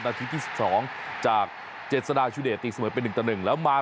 ชาวนาทีที่๑๒จากเจสดาชุดติดเสมอเปลี่ยนเป็น๑ตะ๑